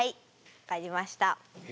分かりました。え？